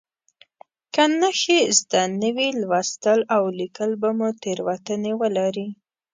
که نښې زده نه وي لوستل او لیکل به مو تېروتنې ولري.